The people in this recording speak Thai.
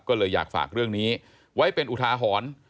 ก็เลยอยากฝากเรื่องนี้ไว้เป็นอุทาหรณ์